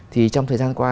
thì trong thời gian qua